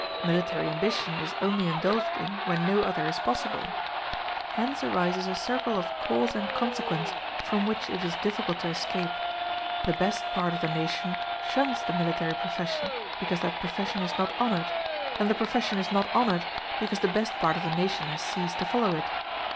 Military ambition is only indulged in when no other is possible. Hence arises a circle of cause and consequence from which it is difficult to escape: the best part of the nation shuns the military profession because that profession is not honored, and the profession is not honored because the best part of the nation has ceased to follow it.